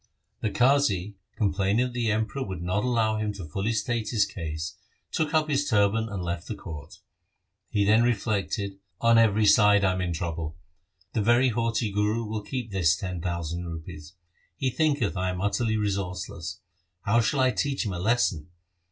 The Qazi, complaining that the Emperor would not allow him to fully state his case, took up his turban and left the court. He then reflected :' On every side I am in trouble. The very haughty Guru will keep this ten thousand rupees. He thinketh I am utterly resourceless ; How shall I teach him a lesson